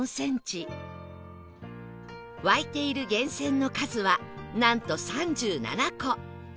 湧いている源泉の数はなんと３７個